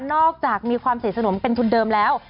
นอกจากมีความเสียสนมเป็นทุนเดิมแล้ว